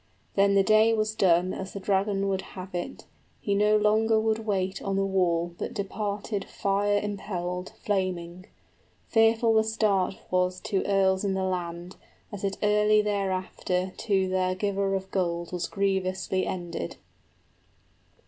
85 Then the day was done as the dragon would have it, He no longer would wait on the wall, but departed {The dragon is infuriated.} Fire impelled, flaming. Fearful the start was To earls in the land, as it early thereafter To their giver of gold was grievously ended.